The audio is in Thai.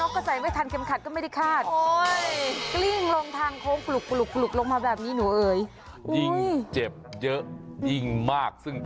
โอ้โหจากทางโค้งมาอย่างเหวี่ยง